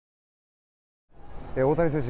大谷選手